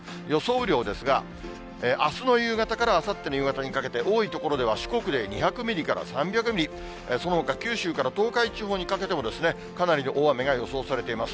雨量ですが、あすの夕方からあさっての夕方にかけて、多い所では、四国で２００ミリから３００ミリ、そのほか九州から東海地方にかけてもかなり大雨が予想されています。